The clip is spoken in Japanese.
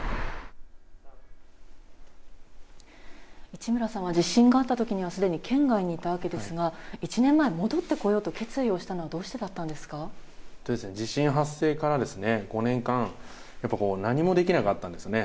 市村さんは地震があったときには、すでに県外にいたわけですが、１年前、戻ってこようと決意をした地震発生から５年間、やっぱこう何もできなかったんですね。